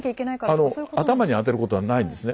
あの頭にあてることはないんですね。